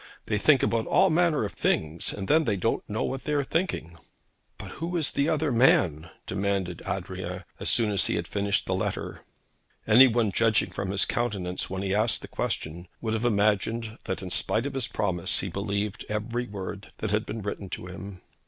'They think about all manner of things, and then they don't know what they are thinking.' 'But who is the other man?' demanded Adrian, as soon as he had finished the letter. Any one judging from his countenance when he asked the question would have imagined that in spite of his promise he believed every word that had been written to him.